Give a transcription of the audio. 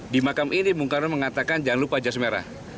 di makam ini bung karno mengatakan jangan lupa jas merah